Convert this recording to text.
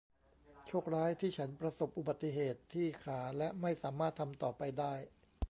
โชคร้ายที่ฉันประสบอุบัติเหตุที่ขาและไม่สามารถทำต่อไปได้